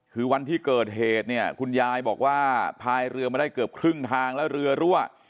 คือวันที่เกิดเหตุเนี่ยคุณยายบอกว่าพายเรือมาได้เกือบครึ่งทางแล้วเรือรั่ว